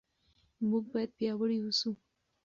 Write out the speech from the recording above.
موږ باید پیاوړي اوسو.